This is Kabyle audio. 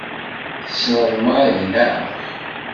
Tessneḍ Mary, naɣ?